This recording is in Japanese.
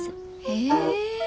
へえ。